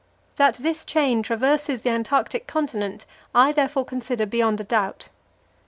That this chain traverses the Antarctic continent I therefore consider beyond a doubt.